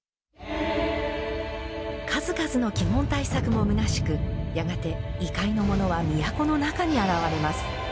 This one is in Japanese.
数々の鬼門対策もむなしくやがて異界のものは都の中に現れます。